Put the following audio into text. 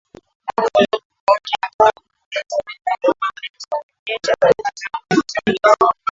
Hakuna utafiti ambao umezionyesha kuwa na ufanisi